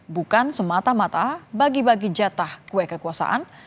bukan semata mata bagi bagi jatah kue kekuasaan